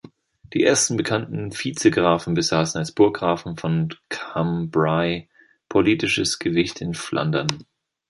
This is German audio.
Die ersten bekannten Vizegrafen besaßen als Burggrafen von Cambrai politisches Gewicht in Flandern.